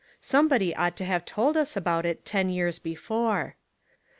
Somebody ought to have told us about It ten years before.